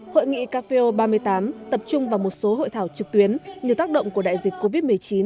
hội nghị cafeo ba mươi tám tập trung vào một số hội thảo trực tuyến như tác động của đại dịch covid một mươi chín